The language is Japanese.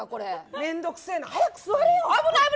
めんどくせえな、早く座れよ。